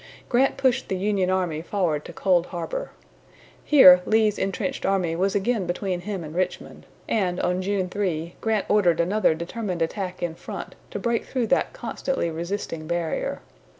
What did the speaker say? Grant pushed the Union army forward to Cold Harbor. Here Lee's intrenched army was again between him and Richmond, and on June 3, Grant ordered another determined attack in front, to break through that constantly resisting barrier.